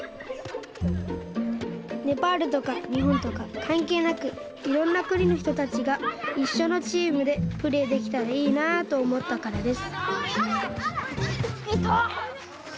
ネパールとかにほんとかかんけいなくいろんなくにのひとたちがいっしょのチームでプレーできたらいいなとおもったからです